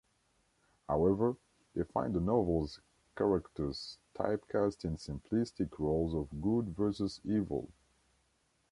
However, they find the novel's characters typecast in simplistic roles of good versus evil.